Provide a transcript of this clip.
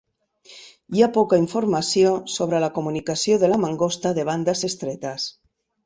Hi ha poca informació sobre la comunicació de la mangosta de bandes estretes.